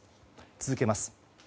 続けます。